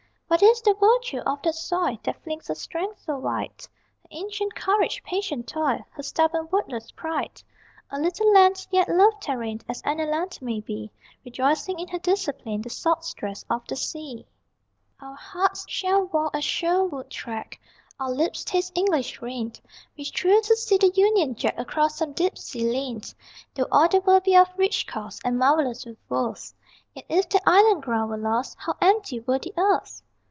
What is the virtue of that soil That flings her strength so wide? Her ancient courage, patient toil, Her stubborn wordless pride? A little land, yet loved therein As any land may be, Rejoicing in her discipline, The salt stress of the sea. Our hearts shall walk a Sherwood track, Our lips taste English rain, We thrill to see the Union Jack Across some deep sea lane; Though all the world be of rich cost And marvellous with worth, Yet if that island ground were lost How empty were the earth!